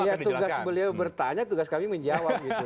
oh iya tugas beliau bertanya tugas kami menjawab